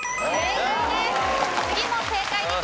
正解です。